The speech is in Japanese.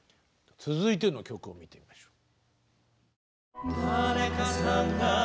続いての曲を見てみましょう。